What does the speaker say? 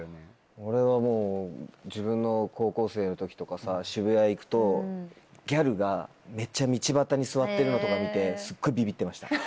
俺はもう自分の高校生の時とかさ渋谷行くとギャルがめっちゃ道端に座ってるのとか見て。